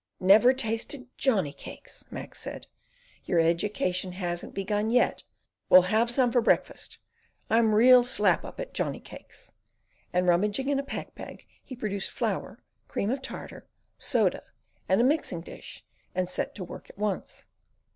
"Never tasted Johnny cakes!!" Mac said. "Your education hasn't begun yet. We'll have some for breakfast; I'm real slap up at Johnny cakes!" and rummaging in a pack bag, he produced flour, cream of tartar, soda, and a mixing dish, and set to work at once.